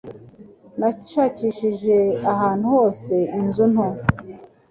Nashakishije ahantu hose inzu nto.